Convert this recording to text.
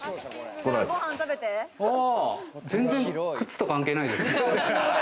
全然靴と関係ないですね。